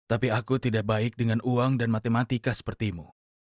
tapi aku tidak baik dengan uang dan matematika sepertimu